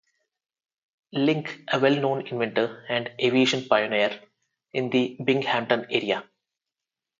Link a well-known inventor and aviation pioneer in the Binghamton area.